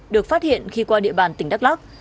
được phát hiện khi qua địa bàn tỉnh đắk lắc